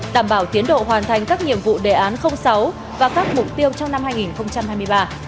đảm bảo tiến độ hoàn thành các nhiệm vụ đề án sáu và các mục tiêu trong năm hai nghìn hai mươi ba